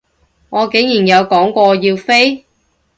我竟然有講過我要飛？